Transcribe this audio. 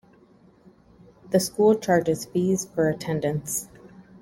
The school charges fees for attendance.